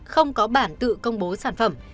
không có bản tự công bố sản phẩm